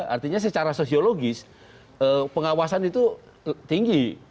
artinya secara sosiologis pengawasan itu tinggi